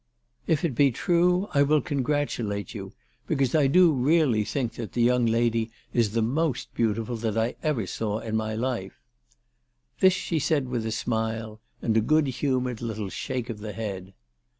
If it be true I will congra 352 ALICE DTJGDALE. tulate you, because I do really think that the young lady is the most beautiful that I ever saw in my life." This she said with a smile and a good humoured little shake of the head.